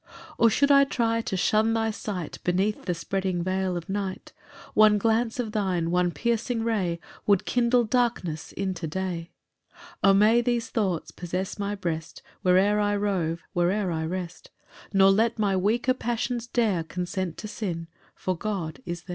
9 Or should I try to shun thy sight Beneath the spreading veil of night, One glance of thine, one piercing ray, Would kindle darkness into day. 10 "O may these thoughts possess my breast, "Where'er I rove, where'er I rest! "Nor let my weaker passions dare "Consent to sin, for God is there."